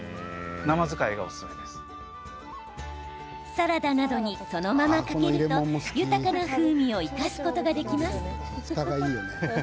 サラダなどに、そのままかけると豊かな風味を生かすことができます。